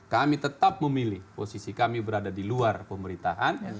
kami tetap memilih posisi kami berada di luar pemerintahan